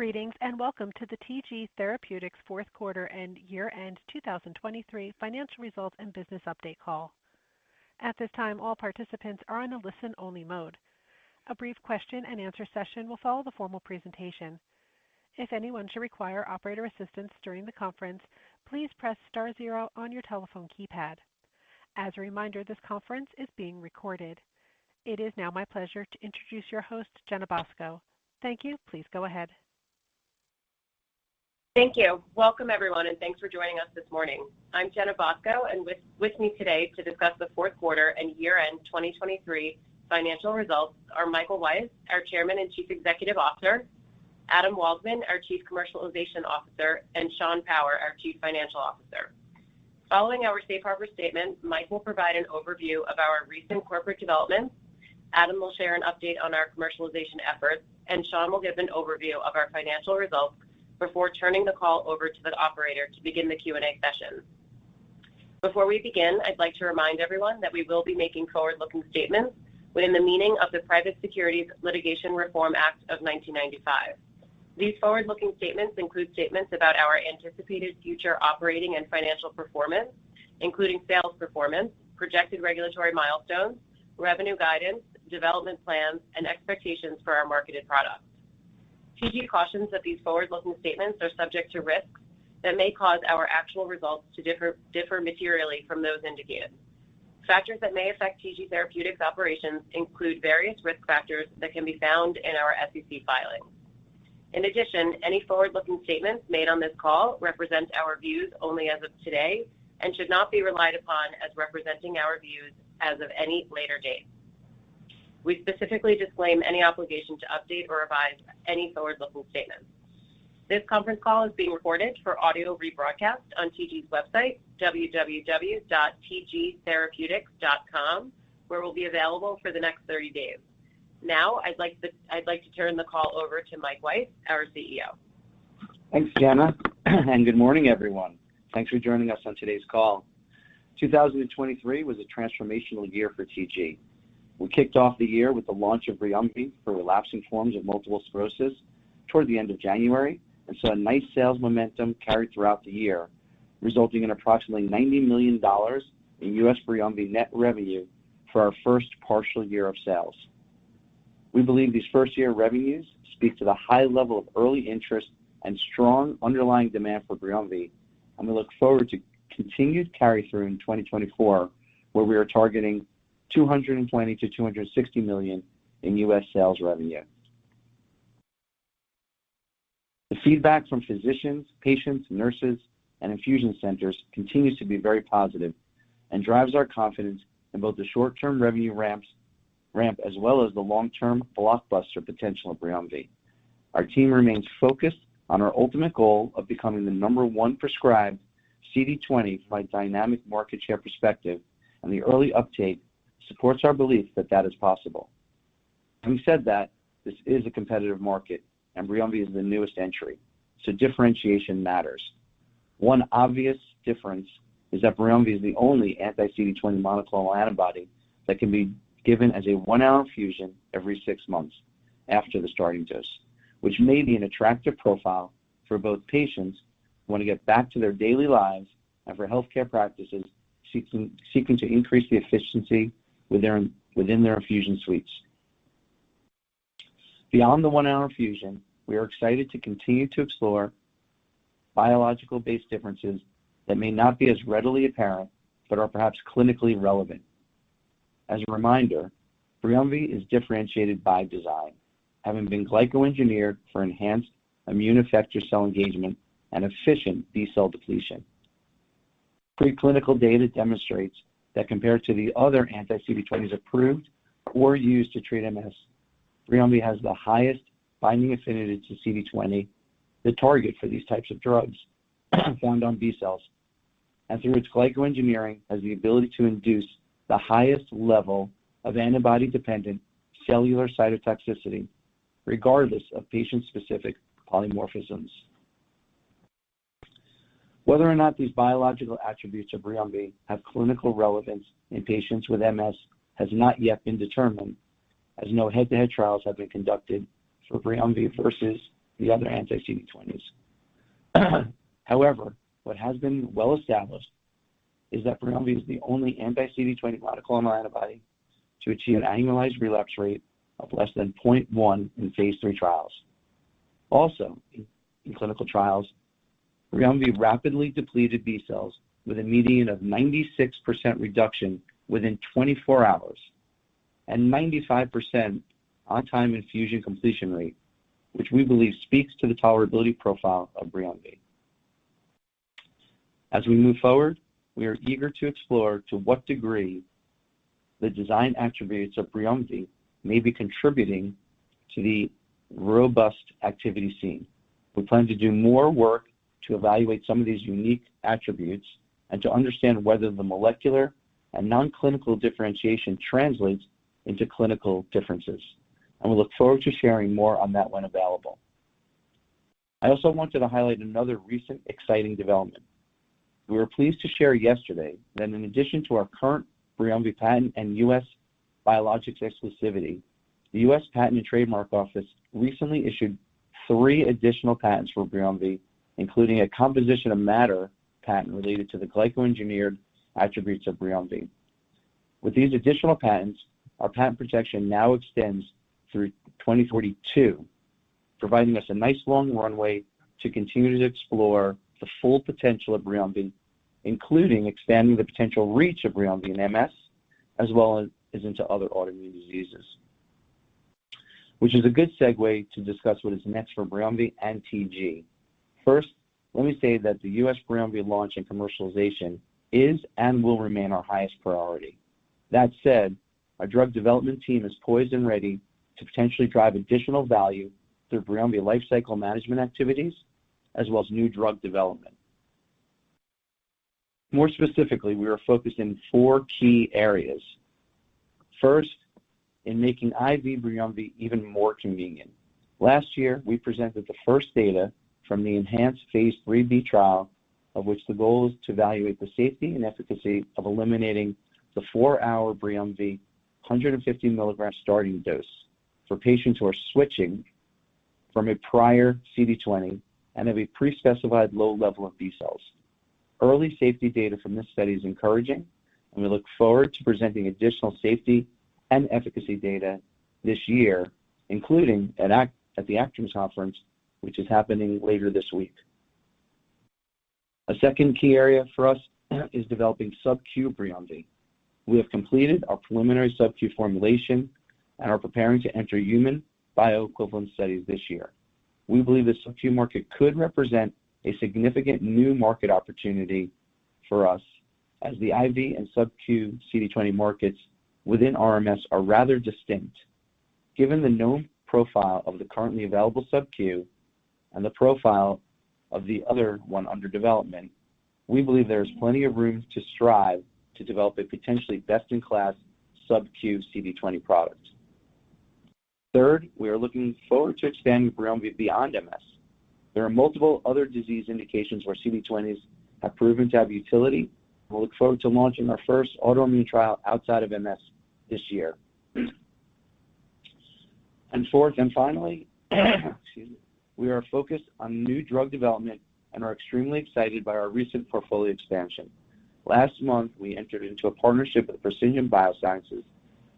Greetings and welcome to the TG Therapeutics fourth quarter and year-end 2023 financial results and business update call. At this time, all participants are on a listen-only mode. A brief question-and-answer session will follow the formal presentation. If anyone should require operator assistance during the conference, please press star zero on your telephone keypad. As a reminder, this conference is being recorded. It is now my pleasure to introduce your host, Jenna Bosco. Thank you. Please go ahead. Thank you. Welcome, everyone, and thanks for joining us this morning. I'm Jenna Bosco, and with me today to discuss the fourth quarter and year-end 2023 financial results are Michael Weiss, our Chairman and Chief Executive Officer; Adam Waldman, our Chief Commercialization Officer; and Sean Power, our Chief Financial Officer. Following our Safe Harbor statement, Mike will provide an overview of our recent corporate developments, Adam will share an update on our commercialization efforts, and Sean will give an overview of our financial results before turning the call over to the operator to begin the Q&A session. Before we begin, I'd like to remind everyone that we will be making forward-looking statements within the meaning of the Private Securities Litigation Reform Act of 1995. These forward-looking statements include statements about our anticipated future operating and financial performance, including sales performance, projected regulatory milestones, revenue guidance, development plans, and expectations for our marketed products. TG cautions that these forward-looking statements are subject to risks that may cause our actual results to differ materially from those indicated. Factors that may affect TG Therapeutics' operations include various risk factors that can be found in our SEC filing. In addition, any forward-looking statements made on this call represent our views only as of today and should not be relied upon as representing our views as of any later date. We specifically disclaim any obligation to update or revise any forward-looking statements. This conference call is being recorded for audio rebroadcast on TG's website, www.tgtherapeutics.com, where we'll be available for the next 30 days. Now, I'd like to turn the call over to Mike Weiss, our CEO. Thanks, Jenna, and good morning, everyone. Thanks for joining us on today's call. 2023 was a transformational year for TG. We kicked off the year with the launch of BRIUMVI for relapsing forms of multiple sclerosis toward the end of January, and saw a nice sales momentum carried throughout the year, resulting in approximately $90 million in U.S. BRIUMVI net revenue for our first partial year of sales. We believe these first-year revenues speak to the high level of early interest and strong underlying demand for BRIUMVI, and we look forward to continued carry-through in 2024, where we are targeting $220 million-$260 million in U.S. sales revenue. The feedback from physicians, patients, nurses, and infusion centers continues to be very positive and drives our confidence in both the short-term revenue ramp as well as the long-term blockbuster potential of BRIUMVI. Our team remains focused on our ultimate goal of becoming the number one prescribed CD20 from a dynamic market share perspective, and the early update supports our belief that that is possible. Having said that, this is a competitive market, and BRIUMVI is the newest entry, so differentiation matters. One obvious difference is that BRIUMVI is the only anti-CD20 monoclonal antibody that can be given as a one-hour infusion every six months after the starting dose, which may be an attractive profile for both patients who want to get back to their daily lives and for healthcare practices seeking to increase the efficiency within their infusion suites. Beyond the one-hour infusion, we are excited to continue to explore biological-based differences that may not be as readily apparent but are perhaps clinically relevant. As a reminder, BRIUMVI is differentiated by design, having been glycoengineered for enhanced immune effector cell engagement and efficient B-cell depletion. Preclinical data demonstrates that compared to the other anti-CD20s approved or used to treat MS, BRIUMVI has the highest binding affinity to CD20, the target for these types of drugs found on B-cells, and through its glycoengineering has the ability to induce the highest level of antibody-dependent cellular cytotoxicity regardless of patient-specific polymorphisms. Whether or not these biological attributes of BRIUMVI have clinical relevance in patients with MS has not yet been determined, as no head-to-head trials have been conducted for BRIUMVI versus the other anti-CD20s. However, what has been well-established is that BRIUMVI is the only anti-CD20 monoclonal antibody to achieve an annualized relapse rate of less than 0.1 in phase III trials. Also, in clinical trials, BRIUMVI rapidly depleted B-cells with a median of 96% reduction within 24 hours and 95% on-time infusion completion rate, which we believe speaks to the tolerability profile of BRIUMVI. As we move forward, we are eager to explore to what degree the design attributes of BRIUMVI may be contributing to the robust activity seen. We plan to do more work to evaluate some of these unique attributes and to understand whether the molecular and non-clinical differentiation translates into clinical differences, and we look forward to sharing more on that when available. I also wanted to highlight another recent exciting development. We were pleased to share yesterday that in addition to our current BRIUMVI patent and U.S. biologics exclusivity, the U.S. Patent and Trademark Office recently issued three additional patents for BRIUMVI, including a Composition of Matter patent related to the glycoengineered attributes of BRIUMVI. With these additional patents, our patent protection now extends through 2042, providing us a nice long runway to continue to explore the full potential of BRIUMVI, including expanding the potential reach of BRIUMVI in MS as well as into other autoimmune diseases, which is a good segue to discuss what is next for BRIUMVI and TG. First, let me say that the U.S. BRIUMVI launch and commercialization is and will remain our highest priority. That said, our drug development team is poised and ready to potentially drive additional value through BRIUMVI lifecycle management activities as well as new drug development. More specifically, we are focused in four key areas. First, in making IV BRIUMVI even more convenient. Last year, we presented the first data from the enhanced phase 3B trial, of which the goal is to evaluate the safety and efficacy of eliminating the four-hour BRIUMVI 150 mg starting dose for patients who are switching from a prior CD2and have a prespecified low level of B-cells. Early safety data from this study is encouraging, and we look forward to presenting additional safety and efficacy data this year, including at the ACTRIMS conference, which is happening later this week. A second key area for us is developing sub-Q BRIUMVI. We have completed our preliminary sub-Q formulation and are preparing to enter human bioequivalent studies this year. We believe the sub-Q market could represent a significant new market opportunity for us, as the IV and sub-Q CD20 markets within RMS are rather distinct. Given the known profile of the currently available sub-Q and the profile of the other one under development, we believe there is plenty of room to strive to develop a potentially best-in-class sub-Q CD20 product. Third, we are looking forward to expanding BRIUMVI beyond MS. There are multiple other disease indications where CD20s have proven to have utility, and we look forward to launching our first autoimmune trial outside of MS this year. And fourth and finally, excuse me, we are focused on new drug development and are extremely excited by our recent portfolio expansion. Last month, we entered into a partnership with Precision BioSciences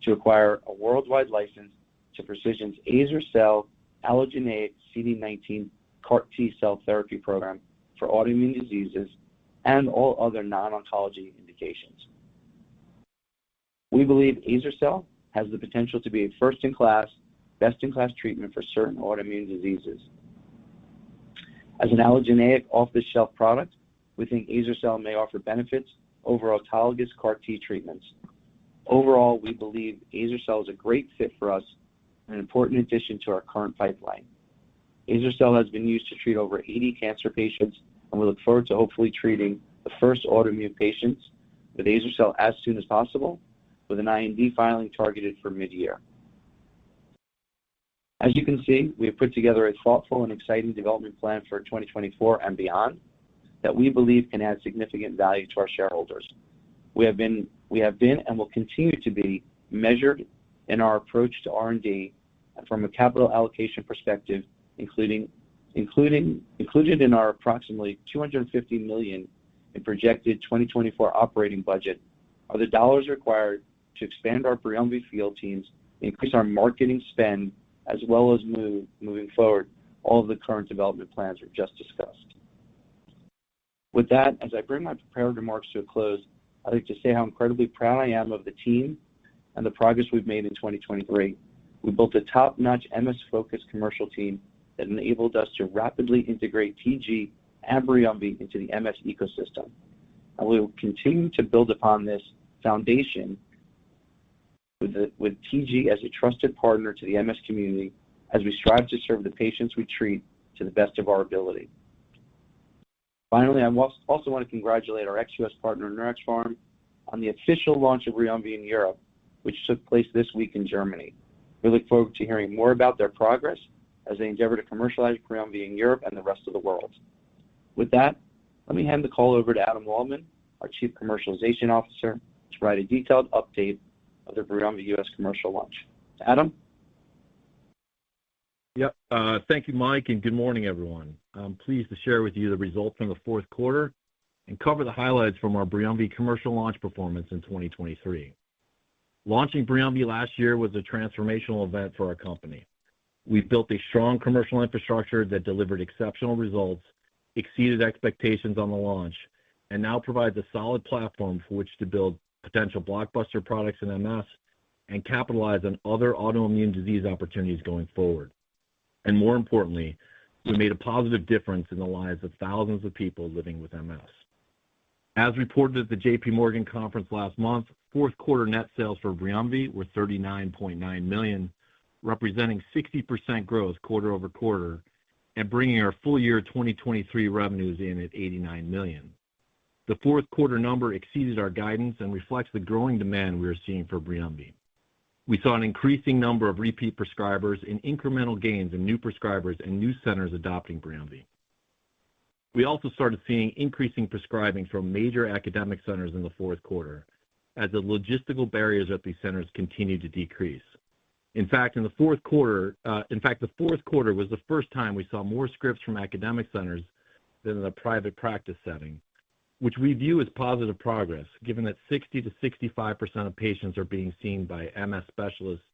to acquire a worldwide license to Precision BioSciences' azer-cel Allogeneic CD19 CAR-T cell therapy program for autoimmune diseases and all other non-oncology indications. We believe azer-cel has the potential to be a first-in-class, best-in-class treatment for certain autoimmune diseases. As an allogeneic off-the-shelf product, we think Azer-cel may offer benefits over autologous CAR-T treatments. Overall, we believe Azer-cel is a great fit for us and an important addition to our current pipeline. Azer-cel has been used to treat over 80 cancer patients, and we look forward to hopefully treating the first autoimmune patients with Azer-cel as soon as possible, with an IND filing targeted for mid-year. As you can see, we have put together a thoughtful and exciting development plan for 2024 and beyond that we believe can add significant value to our shareholders. We have been and will continue to be measured in our approach to R&D from a capital allocation perspective, including in our approximately $250 million in projected 2024 operating budget are the dollars required to expand our BRIUMVI field teams, increase our marketing spend, as well as moving forward. All of the current development plans were just discussed. With that, as I bring my prepared remarks to a close, I'd like to say how incredibly proud I am of the team and the progress we've made in 2023. We built a top-notch MS-focused commercial team that enabled us to rapidly integrate TG and BRIUMVI into the MS ecosystem, and we will continue to build upon this foundation with TG as a trusted partner to the MS community as we strive to serve the patients we treat to the best of our ability. Finally, I also want to congratulate our ex-U.S. partner, Neuraxpharm, on the official launch of BRIUMVI in Europe, which took place this week in Germany. We look forward to hearing more about their progress as they endeavor to commercialize BRIUMVI in Europe and the rest of the world. With that, let me hand the call over to Adam Waldman, our Chief Commercialization Officer, to provide a detailed update of the BRIUMVI U.S. commercial launch. Adam? Yep. Thank you, Mike, and good morning, everyone. I'm pleased to share with you the results from the fourth quarter and cover the highlights from our BRIUMVI commercial launch performance in 2023. Launching BRIUMVI last year was a transformational event for our company. We built a strong commercial infrastructure that delivered exceptional results, exceeded expectations on the launch, and now provides a solid platform for which to build potential blockbuster products in MS and capitalize on other autoimmune disease opportunities going forward. And more importantly, we made a positive difference in the lives of thousands of people living with MS. As reported at the JPMorgan conference last month, fourth quarter net sales for BRIUMVI were $39.9 million, representing 60% growth quarter-over-quarter and bringing our full year 2023 revenues in at $89 million. The fourth quarter number exceeded our guidance and reflects the growing demand we are seeing for BRIUMVI. We saw an increasing number of repeat prescribers and incremental gains in new prescribers and new centers adopting BRIUMVI. We also started seeing increasing prescribing from major academic centers in the fourth quarter as the logistical barriers at these centers continue to decrease. In fact, the fourth quarter was the first time we saw more scripts from academic centers than in the private practice setting, which we view as positive progress given that 60%-65% of patients are being seen by MS specialists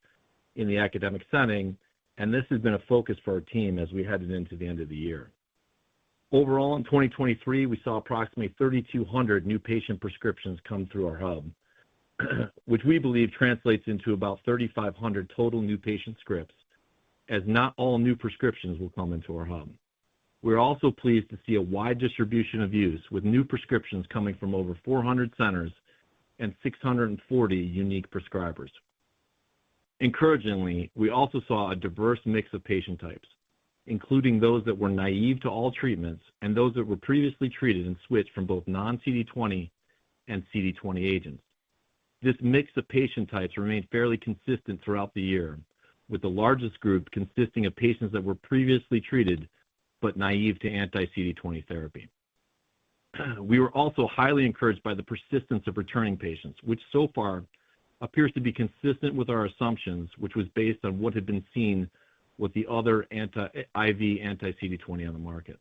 in the academic setting, and this has been a focus for our team as we headed into the end of the year. Overall, in 2023, we saw approximately 3,200 new patient prescriptions come through our hub, which we believe translates into about 3,500 total new patient scripts as not all new prescriptions will come into our hub. We are also pleased to see a wide distribution of use with new prescriptions coming from over 400 centers and 640 unique prescribers. Encouragingly, we also saw a diverse mix of patient types, including those that were naive to all treatments and those that were previously treated and switched from both non-CD20 and CD20 agents. This mix of patient types remained fairly consistent throughout the year, with the largest group consisting of patients that were previously treated but naive to anti-CD20 therapy. We were also highly encouraged by the persistence of returning patients, which so far appears to be consistent with our assumptions, which was based on what had been seen with the other IV anti-CD20 on the market.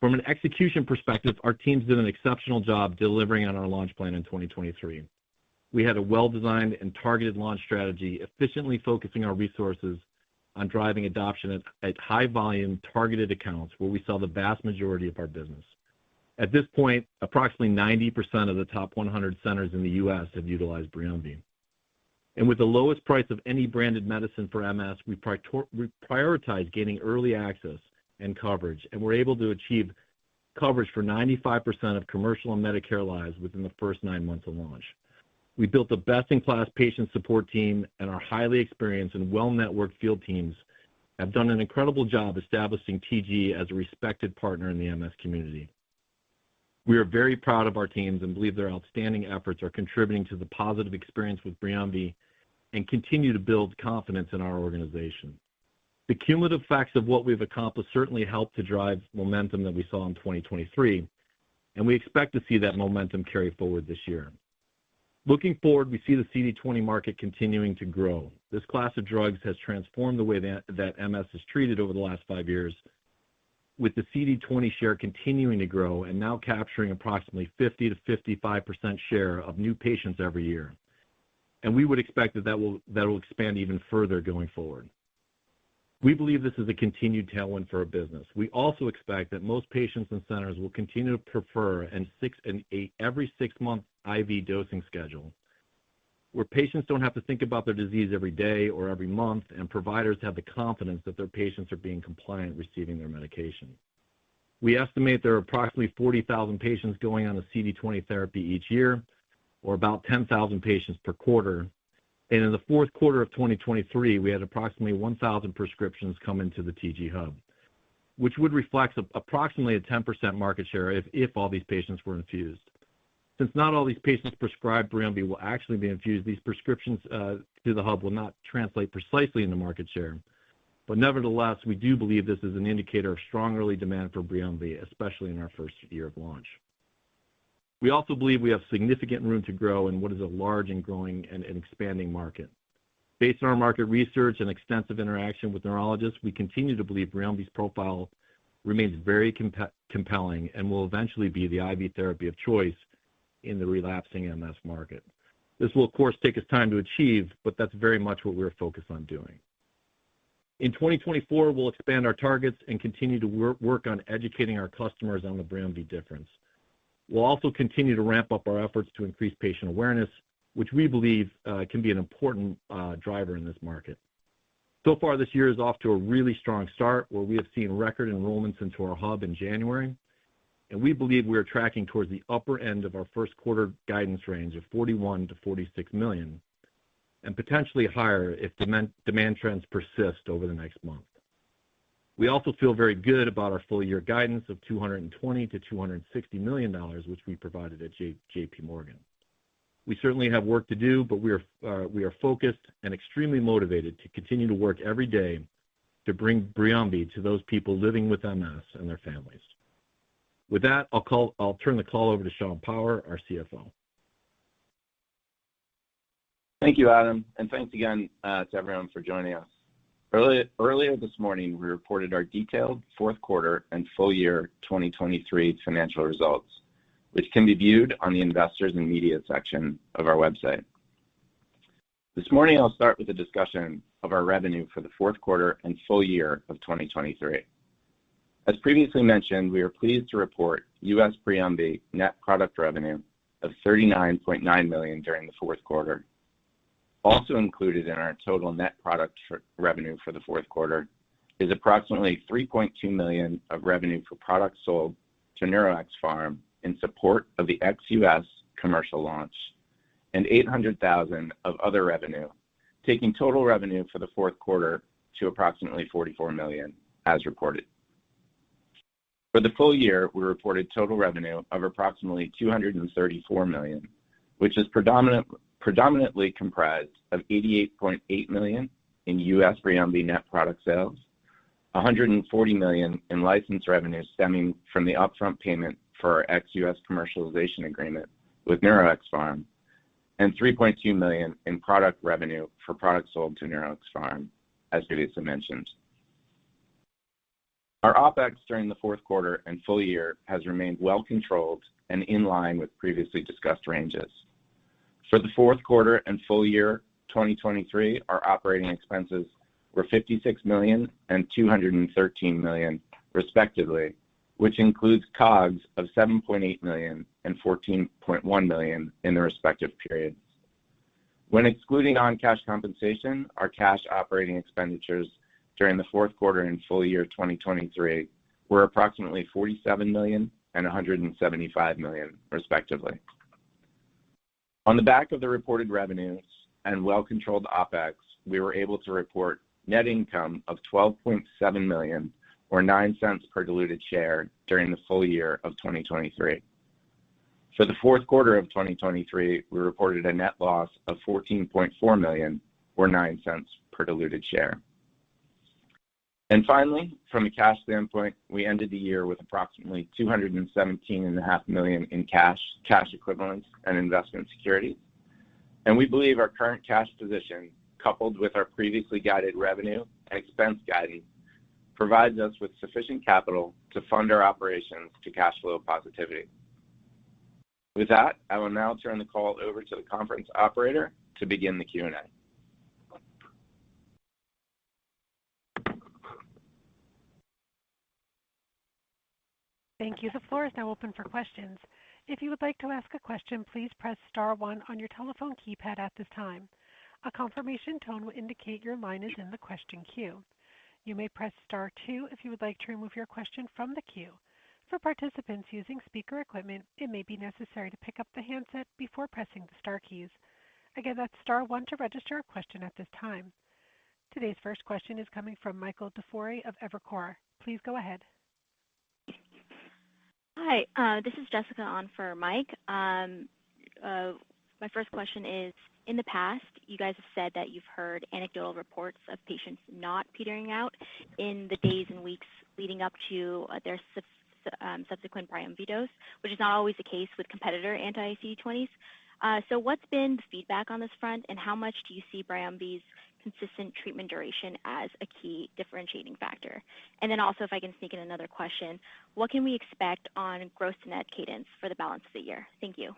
From an execution perspective, our team did an exceptional job delivering on our launch plan in 2023. We had a well-designed and targeted launch strategy, efficiently focusing our resources on driving adoption at high-volume targeted accounts, where we saw the vast majority of our business. At this point, approximately 90% of the top 100 centers in the U.S. have utilized BRIUMVI. With the lowest price of any branded medicine for MS, we prioritized gaining early access and coverage, and were able to achieve coverage for 95% of commercial and Medicare lives within the first nine months of launch. We built a best-in-class patient support team, and our highly experienced and well-networked field teams have done an incredible job establishing TG as a respected partner in the MS community. We are very proud of our teams and believe their outstanding efforts are contributing to the positive experience with BRIUMVI and continue to build confidence in our organization. The cumulative facts of what we've accomplished certainly helped to drive momentum that we saw in 2023, and we expect to see that momentum carry forward this year. Looking forward, we see the CD20 market continuing to grow. This class of drugs has transformed the way that MS is treated over the last five years, with the CD20 share continuing to grow and now capturing approximately 50%-55% share of new patients every year. And we would expect that that will expand even further going forward. We believe this is a continued tailwind for our business. We also expect that most patients and centers will continue to prefer an every-6-month IV dosing schedule where patients don't have to think about their disease every day or every month, and providers have the confidence that their patients are being compliant receiving their medication. We estimate there are approximately 40,000 patients going on a CD20 therapy each year, or about 10,000 patients per quarter. In the fourth quarter of 2023, we had approximately 1,000 prescriptions come into the TG hub, which would reflect approximately a 10% market share if all these patients were infused. Since not all these patients prescribed BRIUMVI will actually be infused, these prescriptions to the hub will not translate precisely into market share. Nevertheless, we do believe this is an indicator of strong early demand for BRIUMVI, especially in our first year of launch. We also believe we have significant room to grow in what is a large and growing and expanding market. Based on our market research and extensive interaction with neurologists, we continue to believe BRIUMVI's profile remains very compelling and will eventually be the IV therapy of choice in the relapsing MS market. This will, of course, take us time to achieve, but that's very much what we're focused on doing. In 2024, we'll expand our targets and continue to work on educating our customers on the BRIUMVI difference. We'll also continue to ramp up our efforts to increase patient awareness, which we believe can be an important driver in this market. So far, this year is off to a really strong start where we have seen record enrollments into our hub in January, and we believe we are tracking towards the upper end of our first quarter guidance range of $41 million-$46 million and potentially higher if demand trends persist over the next month. We also feel very good about our full year guidance of $220 million-$260 million, which we provided at JPMorgan. We certainly have work to do, but we are focused and extremely motivated to continue to work every day to bring BRIUMVI to those people living with MS and their families. With that, I'll turn the call over to Sean Power, our CFO. Thank you, Adam, and thanks again to everyone for joining us. Earlier this morning, we reported our detailed fourth quarter and full year 2023 financial results, which can be viewed on the investors and media section of our website. This morning, I'll start with a discussion of our revenue for the fourth quarter and full year of 2023. As previously mentioned, we are pleased to report U.S. BRIUMVI net product revenue of $39.9 million during the fourth quarter. Also included in our total net product revenue for the fourth quarter is approximately $3.2 million of revenue for products sold to Neuraxpharm in support of the ex-US commercial launch and $800,000 of other revenue, taking total revenue for the fourth quarter to approximately $44 million as reported. For the full year, we reported total revenue of approximately $234 million, which is predominantly comprised of $88.8 million in U.S. BRIUMVI net product sales, $140 million in license revenue stemming from the upfront payment for our ex-U.S. commercialization agreement with Neuraxpharm, and $3.2 million in product revenue for products sold to Neuraxpharm, as previously mentioned. Our OpEx during the fourth quarter and full year has remained well-controlled and in line with previously discussed ranges. For the fourth quarter and full year 2023, our operating expenses were $56 million and $213 million, respectively, which includes COGS of $7.8 million and $14.1 million in the respective periods. When excluding non-cash compensation, our cash operating expenditures during the fourth quarter and full year 2023 were approximately $47 million and $175 million, respectively. On the back of the reported revenues and well-controlled OpEx, we were able to report net income of $12.7 million or $0.09 per diluted share during the full year of 2023. For the fourth quarter of 2023, we reported a net loss of $14.4 million or $0.09 per diluted share. Finally, from a cash standpoint, we ended the year with approximately $217.5 million in cash equivalents and investment securities. We believe our current cash position, coupled with our previously guided revenue and expense guidance, provides us with sufficient capital to fund our operations to cash flow positivity. With that, I will now turn the call over to the conference operator to begin the Q&A. Thank you for the floor. It's now open for questions. If you would like to ask a question, please press star one on your telephone keypad at this time. A confirmation tone will indicate your line is in the question queue. You may press star two if you would like to remove your question from the queue. For participants using speaker equipment, it may be necessary to pick up the handset before pressing the star keys. Again, that's star one to register a question at this time. Today's first question is coming from Michael DeFiore of Evercore. Please go ahead. Hi. This is Jessica on for Mike. My first question is, in the past, you guys have said that you've heard anecdotal reports of patients not petering out in the days and weeks leading up to their subsequent BRIUMVI dose, which is not always the case with competitor anti-CD20s. So what's been the feedback on this front, and how much do you see BRIUMVI's consistent treatment duration as a key differentiating factor? And then also, if I can sneak in another question, what can we expect on gross-to-net cadence for the balance of the year? Thank you.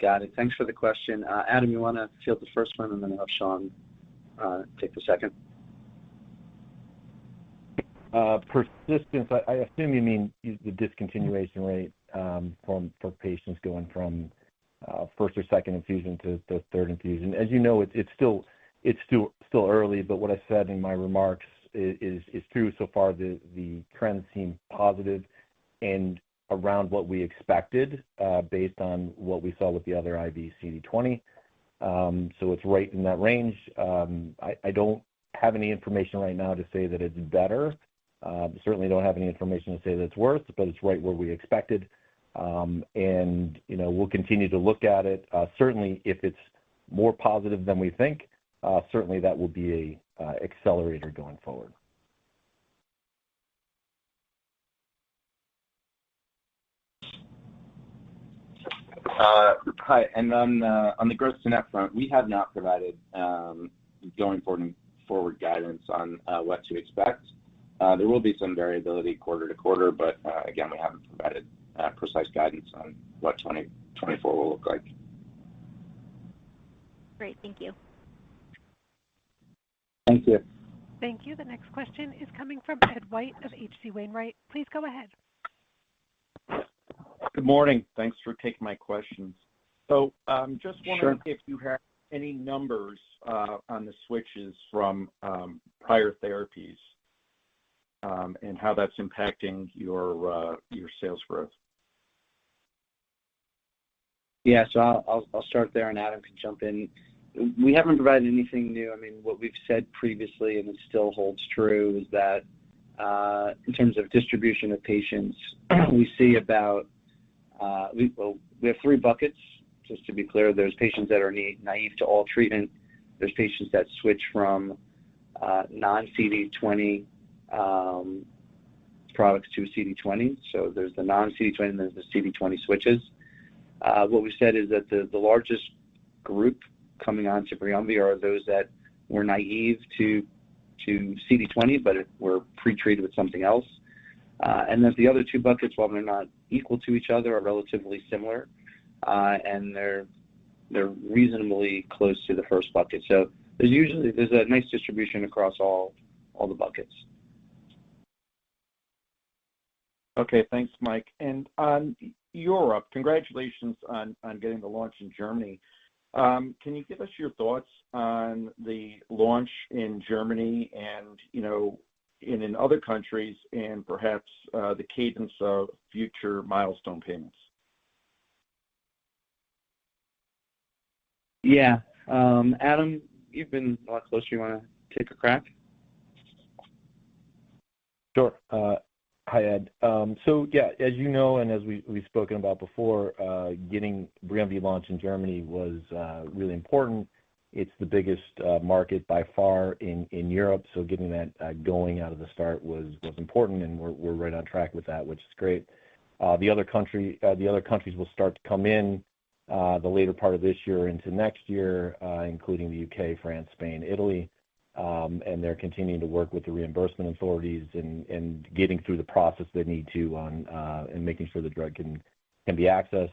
Got it. Thanks for the question. Adam, you want to field the first one, and then I'll have Sean take the second? Persistence, I assume you mean the discontinuation rate for patients going from first or second infusion to third infusion. As you know, it's still early, but what I said in my remarks is true. So far, the trends seem positive and around what we expected based on what we saw with the other IV CD20. So it's right in that range. I don't have any information right now to say that it's better. Certainly, I don't have any information to say that it's worse, but it's right where we expected. And we'll continue to look at it. Certainly, if it's more positive than we think, certainly that will be an accelerator going forward. Hi. On the Gross-to-Net front, we have not provided going forward guidance on what to expect. There will be some variability quarter to quarter, but again, we haven't provided precise guidance on what 2024 will look like. Great. Thank you. Thank you. Thank you. The next question is coming from Ed White of H.C. Wainwright. Please go ahead. Good morning. Thanks for taking my questions. So just wondering if you have any numbers on the switches from prior therapies and how that's impacting your sales growth. Yeah. So I'll start there, and Adam can jump in. We haven't provided anything new. I mean, what we've said previously, and it still holds true, is that in terms of distribution of patients, we have three buckets. Just to be clear, there's patients that are naive to all treatment. There's patients that switch from non-CD20 products to CD20. So there's the non-CD20, and there's the CD20 switches. What we said is that the largest group coming onto BRIUMVI are those that were naive to CD20, but were pretreated with something else. And then the other two buckets, while they're not equal to each other, are relatively similar, and they're reasonably close to the first bucket. So there's a nice distribution across all the buckets. Okay. Thanks, Mike. And on your update, congratulations on getting the launch in Germany. Can you give us your thoughts on the launch in Germany and in other countries and perhaps the cadence of future milestone payments? Yeah. Adam, you've been a lot closer. You want to take a crack? Sure. Hi, Ed. So yeah, as you know and as we've spoken about before, getting BRIUMVI launched in Germany was really important. It's the biggest market by far in Europe, so getting that going out of the start was important, and we're right on track with that, which is great. The other countries will start to come in the later part of this year into next year, including the U.K., France, Spain, Italy. They're continuing to work with the reimbursement authorities and getting through the process they need to on and making sure the drug can be accessed.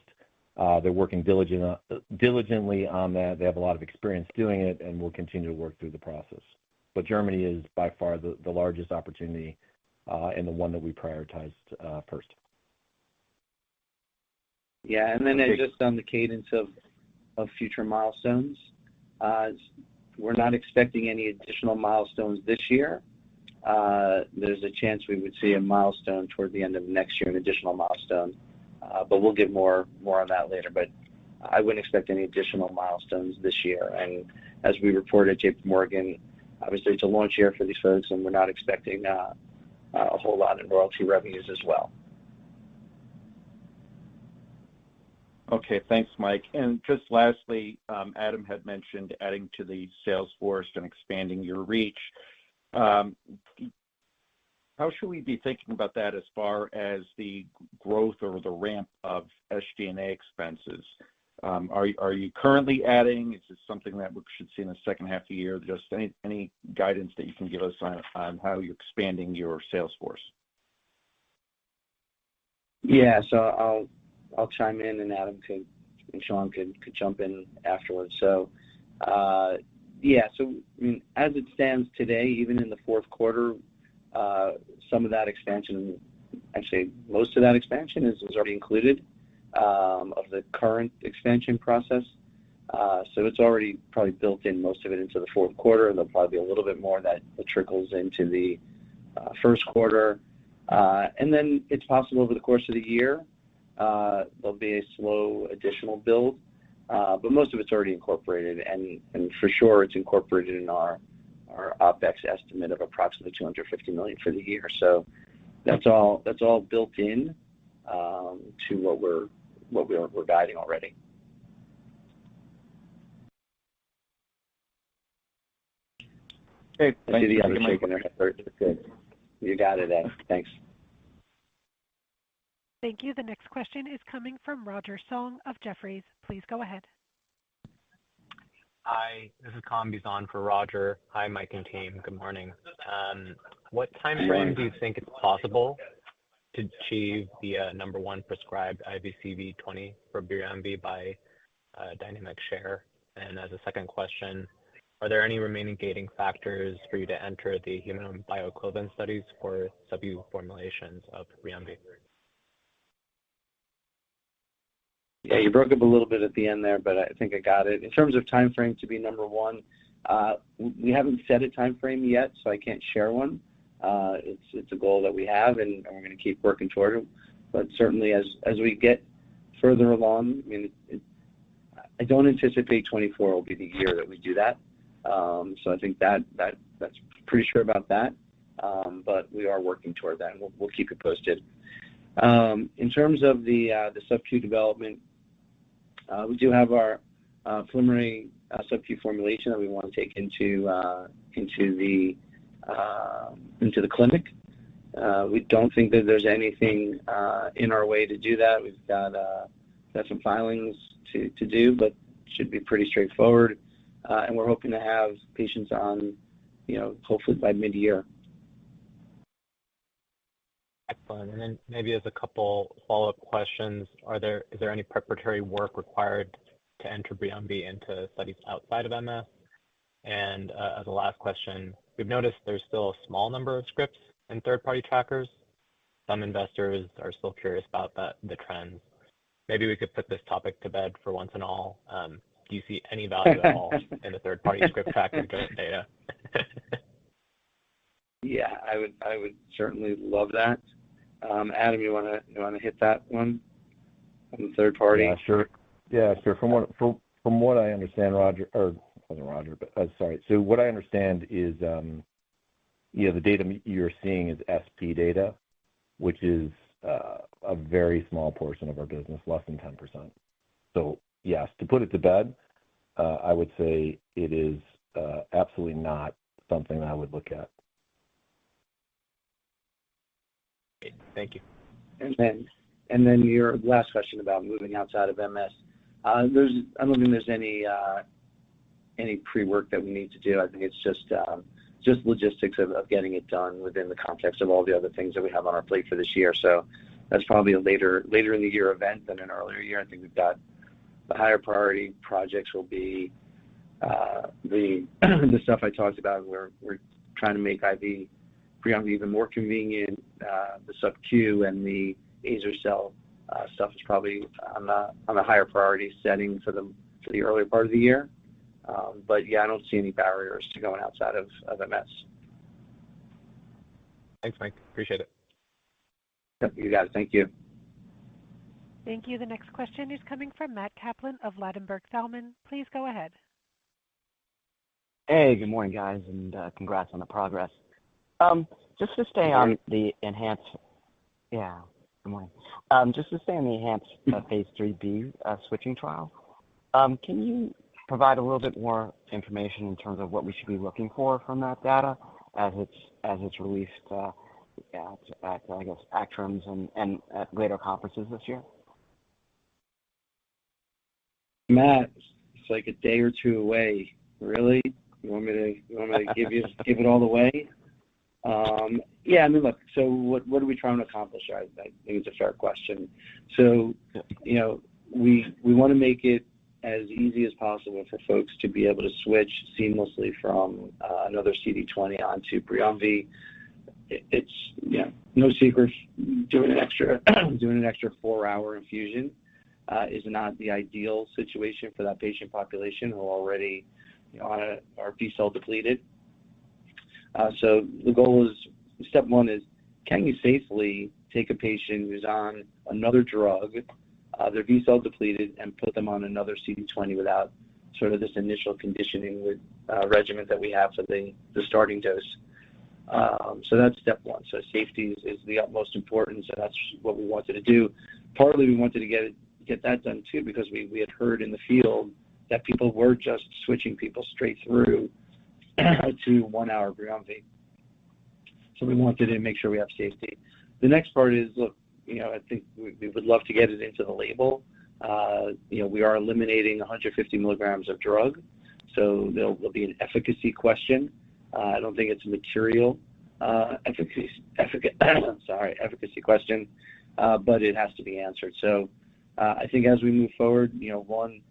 They're working diligently on that. They have a lot of experience doing it, and we'll continue to work through the process. But Germany is by far the largest opportunity and the one that we prioritized first. Yeah. And then just on the cadence of future milestones, we're not expecting any additional milestones this year. There's a chance we would see a milestone toward the end of next year, an additional milestone. But we'll give more on that later. But I wouldn't expect any additional milestones this year. And as we report at JPMorgan, obviously, it's a launch year for these folks, and we're not expecting a whole lot in royalty revenues as well. Okay. Thanks, Mike. And just lastly, Adam had mentioned adding to the sales force and expanding your reach. How should we be thinking about that as far as the growth or the ramp of SG&A expenses? Are you currently adding? Is this something that we should see in the second half of the year? Just any guidance that you can give us on how you're expanding your sales force. Yeah. So I'll chime in, and Adam and Sean could jump in afterwards. So yeah. So I mean, as it stands today, even in the fourth quarter, some of that expansion and actually, most of that expansion is already included of the current expansion process. So it's already probably built in, most of it, into the fourth quarter, and there'll probably be a little bit more that trickles into the first quarter. And then it's possible over the course of the year, there'll be a slow additional build, but most of it's already incorporated. And for sure, it's incorporated in our OpEx estimate of approximately $250 million for the year. So that's all built into what we're guiding already. Great. Thank you. I see the others shaking their heads. Good. You got it, Ed. Thanks. Thank you. The next question is coming from Roger Song of Jefferies. Please go ahead. Hi. This is Tom Bisson for Roger. Hi, Mike and team. Good morning. What time frame do you think it's possible to achieve the number one prescribed IV CD20 for BRIUMVI by market share? And as a second question, are there any remaining gating factors for you to enter the human bioequivalent studies for sub-Q formulations of BRIUMVI? Yeah. You broke up a little bit at the end there, but I think I got it. In terms of time frame to be number one, we haven't set a time frame yet, so I can't share one. It's a goal that we have, and we're going to keep working toward it. But certainly, as we get further along, I mean, I don't anticipate 2024 will be the year that we do that. So I think that's pretty sure about that, but we are working toward that, and we'll keep you posted. In terms of the subQ development, we do have our preliminary subQ formulation that we want to take into the clinic. We don't think that there's anything in our way to do that. We've got some filings to do, but it should be pretty straightforward. And we're hoping to have patients on, hopefully, by mid-year. Excellent. Then maybe as a couple of follow-up questions, is there any preparatory work required to enter BRIUMVI into studies outside of MS? And as a last question, we've noticed there's still a small number of scripts in third-party trackers. Some investors are still curious about the trends. Maybe we could put this topic to bed for once and for all. Do you see any value at all in the third-party script tracker data? Yeah. I would certainly love that. Adam, you want to hit that one on the third party? Yeah. Sure. Yeah. Sure. From what I understand, Roger or not Roger, but sorry. So what I understand is the data you're seeing is SP data, which is a very small portion of our business, less than 10%. So yes, to put it to bed, I would say it is absolutely not something that I would look at. Great. Thank you. Then your last question about moving outside of MS, I don't think there's any pre-work that we need to do. I think it's just logistics of getting it done within the context of all the other things that we have on our plate for this year. So that's probably a later in the year event than an earlier year. I think we've got the higher priority projects will be the stuff I talked about where we're trying to make IV BRIUMVI even more convenient. The subQ and the azer-cel stuff is probably on the higher priority setting for the earlier part of the year. But yeah, I don't see any barriers to going outside of MS. Thanks, Mike. Appreciate it. Yep. You got it. Thank you. Thank you. The next question is coming from Matt Kaplan of Ladenburg Thalmann. Please go ahead. Hey. Good morning, guys, and congrats on the progress. Just to stay on the ENHANCE phase 3B switching trial, can you provide a little bit more information in terms of what we should be looking for from that data as it's released at, I guess, ACTRIMS and at later conferences this year? Matt, it's like a day or two away. Really? You want me to give it all away? Yeah. I mean, look, so what are we trying to accomplish? I think it's a fair question. So we want to make it as easy as possible for folks to be able to switch seamlessly from another CD20 onto BRIUMVI. Yeah. No secret. Doing an extra 4-hour infusion is not the ideal situation for that patient population who already are B-cell depleted. So the goal is step one is, can you safely take a patient who's on another drug, they're B-cell depleted, and put them on another CD20 without sort of this initial conditioning regimen that we have for the starting dose? So that's step 1. So safety is the utmost importance, and that's what we wanted to do. Partly, we wanted to get that done too because we had heard in the field that people were just switching people straight through to 1-hour BRIUMVI. So we wanted to make sure we have safety. The next part is, look, I think we would love to get it into the label. We are eliminating 150 milligrams of drug, so there'll be an efficacy question. I don't think it's a material sorry, efficacy question, but it has to be answered. So I think as we move forward, one,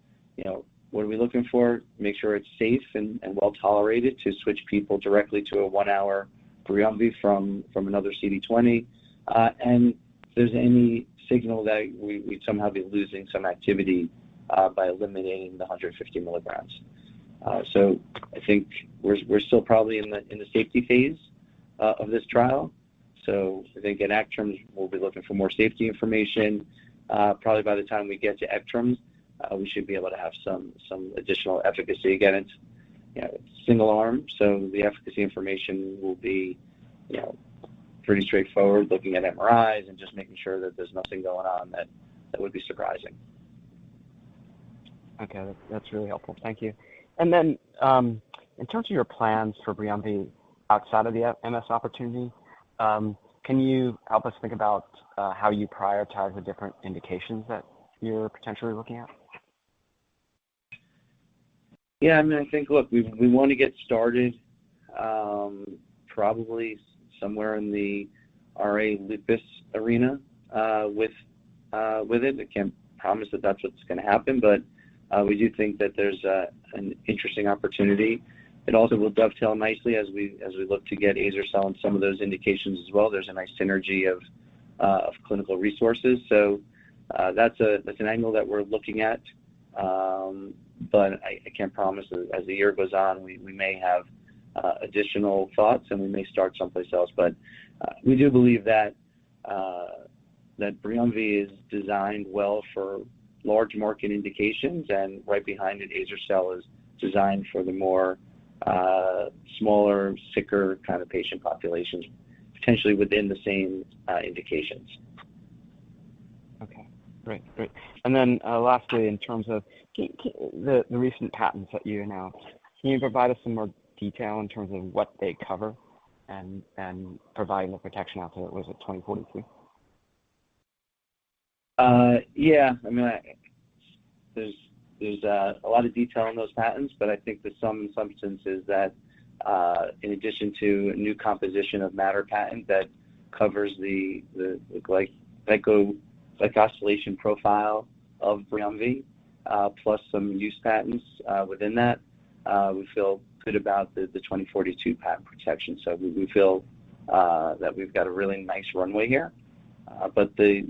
what are we looking for? Make sure it's safe and well-tolerated to switch people directly to a 1-hour BRIUMVI from another CD20. And if there's any signal that we'd somehow be losing some activity by eliminating the 150 milligrams. So I think we're still probably in the safety phase of this trial. I think at ACTRIMS, we'll be looking for more safety information. Probably by the time we get to ACTRIMS, we should be able to have some additional efficacy against single-arm. The efficacy information will be pretty straightforward, looking at MRIs and just making sure that there's nothing going on that would be surprising. Okay. That's really helpful. Thank you. Then in terms of your plans for BRIUMVI outside of the MS opportunity, can you help us think about how you prioritize the different indications that you're potentially looking at? Yeah. I mean, I think, look, we want to get started probably somewhere in the RA lupus arena with it. I can't promise that that's what's going to happen, but we do think that there's an interesting opportunity. It also will dovetail nicely as we look to get Azer-cel and some of those indications as well. There's a nice synergy of clinical resources. So that's an angle that we're looking at. But I can't promise that as the year goes on, we may have additional thoughts, and we may start someplace else. But we do believe that BRIUMVI is designed well for large-market indications, and right behind it, Azer-cel is designed for the more smaller, sicker kind of patient populations, potentially within the same indications. Okay. Great. Great. And then lastly, in terms of the recent patents that you announced, can you provide us some more detail in terms of what they cover and providing the protection out to it, was it 2043? Yeah. I mean, there's a lot of detail in those patents, but I think the sum and substance is that in addition to a new composition of matter patent that covers the glycosylation profile of BRIUMVI plus some use patents within that, we feel good about the 2042 patent protection. So we feel that we've got a really nice runway here. But the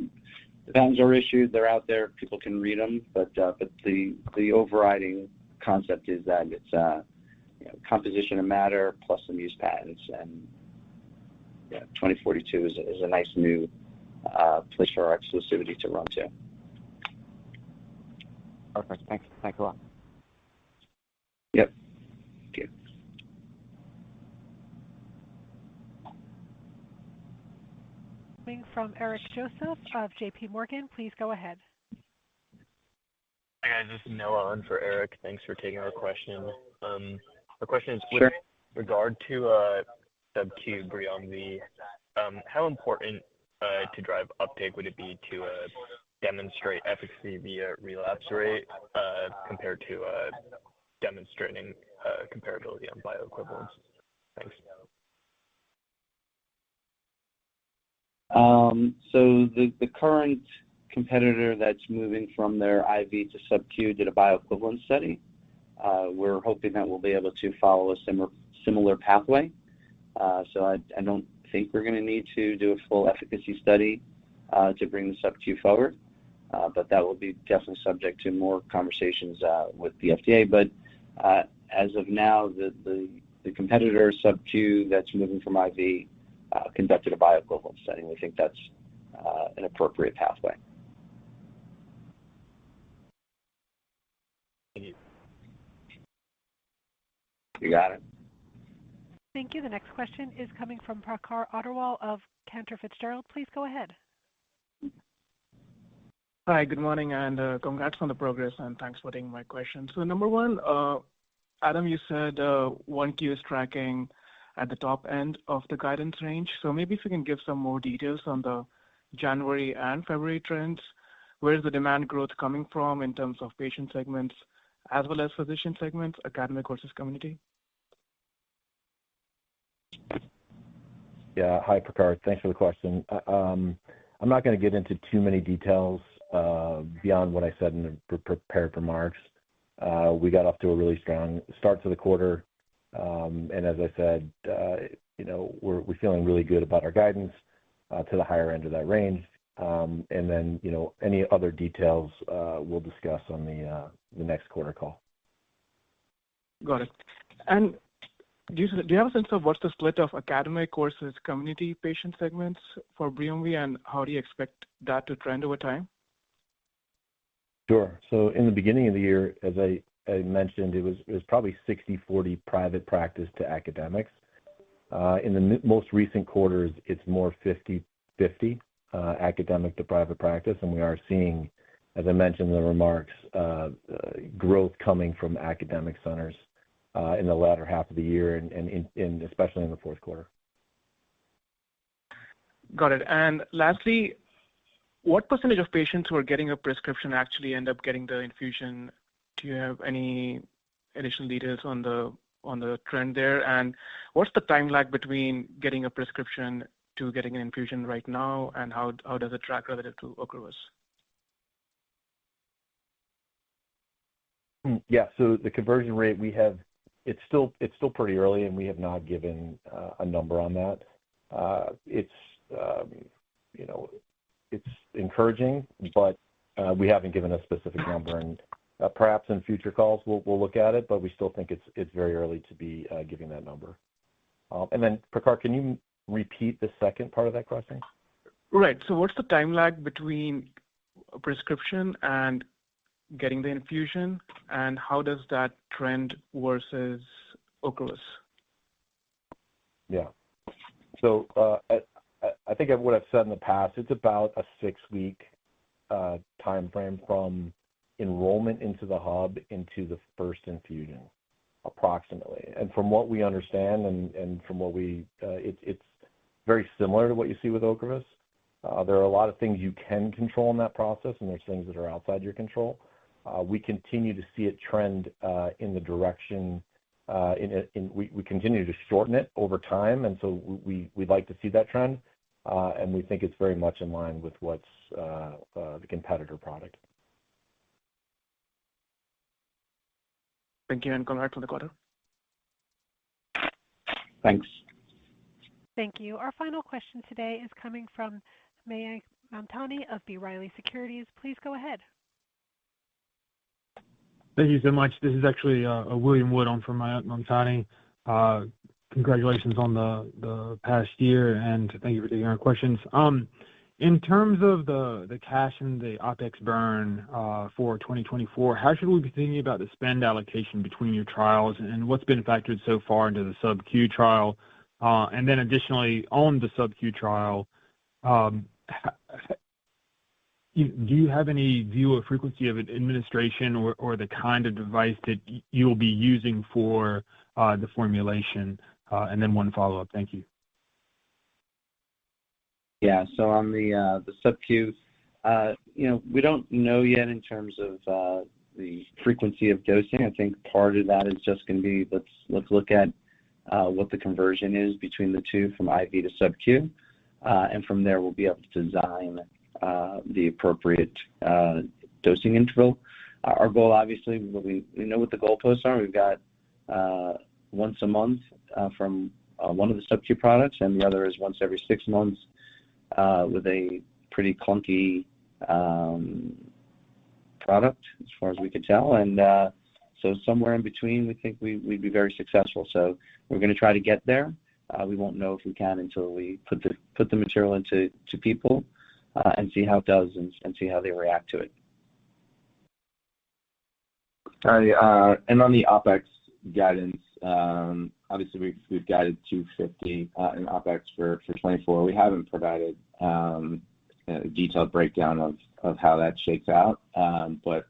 patents are issued. They're out there. People can read them. But the overriding concept is that it's composition of matter plus some use patents. And yeah, 2042 is a nice new place for our exclusivity to run to. Perfect. Thanks. Thanks a lot. Yep. Thank you. Coming from Eric Joseph of JPMorgan. Please go ahead. Hi, guys. This is Noah Owan for Eric. Thanks for taking our question. Our question is with regard to subQ BRIUMVI. How important to drive uptake would it be to demonstrate efficacy via relapse rate compared to demonstrating comparability on bioequivalence? Thanks. The current competitor that's moving from their IV to subQ did a bioequivalent study. We're hoping that we'll be able to follow a similar pathway. I don't think we're going to need to do a full efficacy study to bring the subQ forward, but that will be definitely subject to more conversations with the FDA. As of now, the competitor subQ that's moving from IV conducted a bioequivalent study. We think that's an appropriate pathway. Thank you. You got it. Thank you. The next question is coming from Prakhar Agarwal of Cantor Fitzgerald. Please go ahead. Hi. Good morning, and congrats on the progress, and thanks for taking my question. So number one, Adam, you said 1Q is tracking at the top end of the guidance range. So maybe if you can give some more details on the January and February trends, where's the demand growth coming from in terms of patient segments as well as physician segments, academic versus community? Yeah. Hi, Prakhar. Thanks for the question. I'm not going to get into too many details beyond what I said in the prepared remarks. We got off to a really strong start to the quarter. And as I said, we're feeling really good about our guidance to the higher end of that range. And then any other details, we'll discuss on the next quarter call. Got it. And do you have a sense of what's the split of academic versus community patient segments for BRIUMVI, and how do you expect that to trend over time? Sure. In the beginning of the year, as I mentioned, it was probably 60/40 private practice to academics. In the most recent quarters, it's more 50/50 academic to private practice. We are seeing, as I mentioned in the remarks, growth coming from academic centers in the latter half of the year, and especially in the fourth quarter. Got it. And lastly, what percentage of patients who are getting a prescription actually end up getting the infusion? Do you have any additional details on the trend there? What's the time lag between getting a prescription to getting an infusion right now, and how does it track relative to Ocrevus? Yeah. So the conversion rate, it's still pretty early, and we have not given a number on that. It's encouraging, but we haven't given a specific number. And perhaps in future calls, we'll look at it, but we still think it's very early to be giving that number. And then, Prakhar, can you repeat the second part of that question? Right. So what's the time lag between a prescription and getting the infusion, and how does that trend versus Ocrevus? Yeah. So I think what I've said in the past, it's about a six-week time frame from enrollment into the hub into the first infusion, approximately. And from what we understand, it's very similar to what you see with Ocrevus. There are a lot of things you can control in that process, and there's things that are outside your control. We continue to see it trend in the direction we continue to shorten it over time. And so we'd like to see that trend, and we think it's very much in line with what's the competitor product. Thank you. Congrats on the quarter. Thanks. Thank you. Our final question today is coming from Mayank Mamtani of B. Riley Securities. Please go ahead. Thank you so much. This is actually William Wood. I'm from Mayank Mamtani. Congratulations on the past year, and thank you for taking our questions. In terms of the cash and the OpEx burn for 2024, how should we be thinking about the spend allocation between your trials, and what's been factored so far into the subQ trial? And then additionally, on the subQ trial, do you have any view of frequency of administration or the kind of device that you'll be using for the formulation? And then one follow-up. Thank you. Yeah. So on the subQ, we don't know yet in terms of the frequency of dosing. I think part of that is just going to be let's look at what the conversion is between the two from IV to subQ, and from there, we'll be able to design the appropriate dosing interval. Our goal, obviously, we know what the goal posts are. We've got once a month from one of the subQ products, and the other is once every six months with a pretty clunky product as far as we could tell. And so somewhere in between, we think we'd be very successful. So we're going to try to get there. We won't know if we can until we put the material into people and see how it does and see how they react to it. And on the OpEx guidance, obviously, we've guided $250 in OpEx for 2024. We haven't provided a detailed breakdown of how that shakes out, but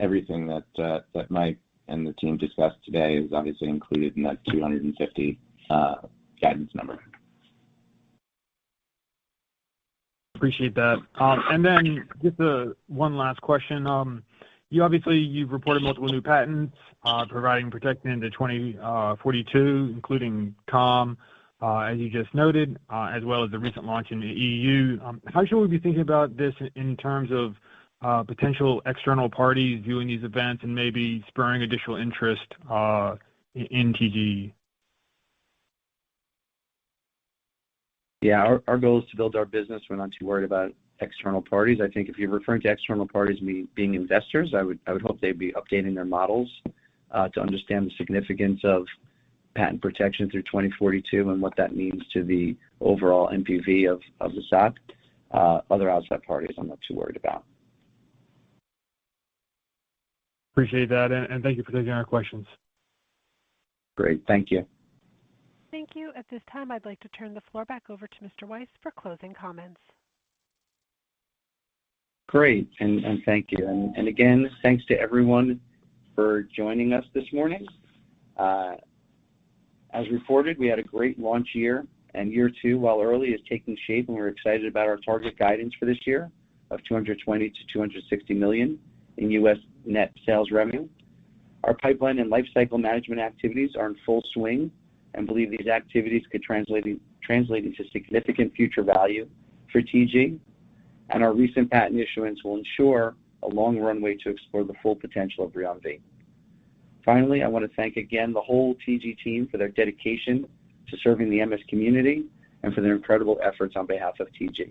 everything that Mike and the team discussed today is obviously included in that $250 guidance number. Appreciate that. And then just one last question. Obviously, you've reported multiple new patents providing protection into 2042, including COM, as you just noted, as well as the recent launch in the EU. How should we be thinking about this in terms of potential external parties viewing these events and maybe spurring additional interest in TG? Yeah. Our goal is to build our business. We're not too worried about external parties. I think if you're referring to external parties being investors, I would hope they'd be updating their models to understand the significance of patent protection through 2042 and what that means to the overall NPV of the stock. Other outside parties, I'm not too worried about. Appreciate that. Thank you for taking our questions. Great. Thank you. Thank you. At this time, I'd like to turn the floor back over to Mr. Weiss for closing comments. Great. Thank you. Again, thanks to everyone for joining us this morning. As reported, we had a great launch year. Year two, while early, is taking shape, and we're excited about our target guidance for this year of $220 million-$260 million in U.S. net sales revenue. Our pipeline and lifecycle management activities are in full swing and believe these activities could translate into significant future value for TG. Our recent patent issuance will ensure a long runway to explore the full potential of BRIUMVI. Finally, I want to thank again the whole TG team for their dedication to serving the MS community and for their incredible efforts on behalf of TG.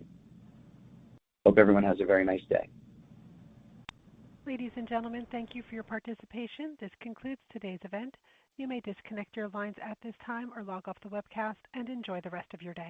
Hope everyone has a very nice day. Ladies and gentlemen, thank you for your participation. This concludes today's event. You may disconnect your lines at this time or log off the webcast and enjoy the rest of your day.